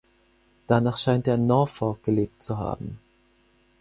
Danach scheint er in Norfolk gelebt zu haben.